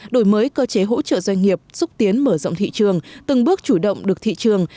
đổi mới cơ chế hỗ trợ doanh nghiệp xúc tiến mở rộng thị trường từng bước chủ động được thị trường